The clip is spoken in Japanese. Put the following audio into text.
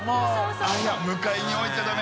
向かいに置いちゃダメ！